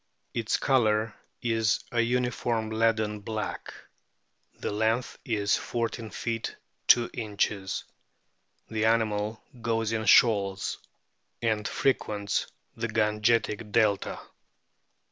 Its colour is a uniform leaden black. The length is 14 feet 2 inches. The animal goes in shoals, and frequents the Gangetic delta.